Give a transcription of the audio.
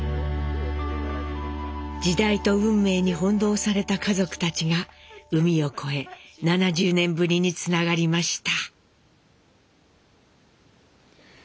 時代と運命に翻弄された家族たちが海を越え７０年ぶりにつながりました。